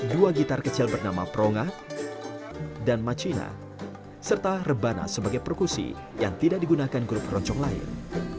dua gitar kecil bernama prongah dan macina serta rebana sebagai perkusi yang tidak digunakan grup keroncong lain